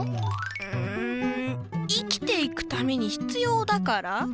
うん生きていくためにひつようだから？